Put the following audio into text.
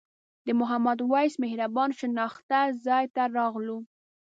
د محمد وېس مهربان شناخته ځای ته راغلو.